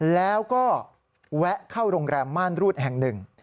แล้วก็แวะเข้าโรงแรมม่านรูดแห่งหนึ่ง